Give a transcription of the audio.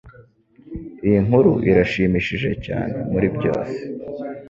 Iyi nkuru irashimishije cyane muribyose.